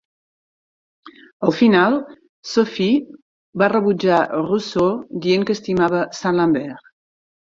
Al final, Sophie va rebutjar Rousseau, dient que estimava Saint-Lambert.